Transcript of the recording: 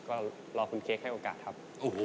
ก็รอคุณเค้กให้โอกาสครับ